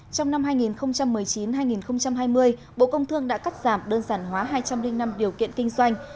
trong năm hai nghìn một mươi chín hai nghìn hai mươi bộ công thương đã cắt giảm đơn giản hóa hai trăm linh năm điều kiện kinh doanh